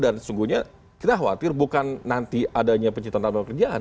dan sesungguhnya kita khawatir bukan nanti adanya penciptaan tanpa pekerjaan